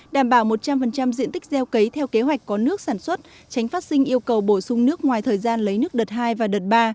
đảm bảo một trăm linh diện tích gieo cấy theo kế hoạch có nước sản xuất tránh phát sinh yêu cầu bổ sung nước ngoài thời gian lấy nước đợt hai và đợt ba